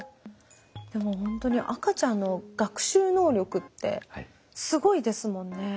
でもほんとに赤ちゃんの学習能力ってすごいですもんね。